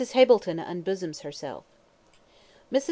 HAMILTON UNBOSOMS HERSELF. Mrs.